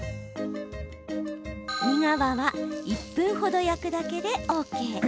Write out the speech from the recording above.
身側は１分程焼くだけでＯＫ。